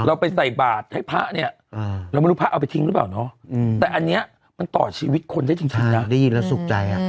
เราไปใส่บาทให้พระเนี่ยเราไม่รู้พระเอาไปทิ้งหรือเปล่าเนาะแต่อันนี้มันต่อชีวิตคนได้จริงนะได้ยินแล้วสุขใจ